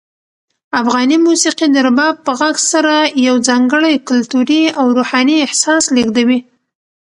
افغاني موسیقي د رباب په غږ سره یو ځانګړی کلتوري او روحاني احساس لېږدوي.